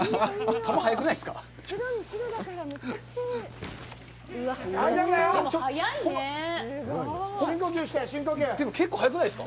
玉速くないですか？